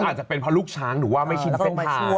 อาจจะเป็นเพราะลูกช้างหรือว่าไม่ชินเส้นทาง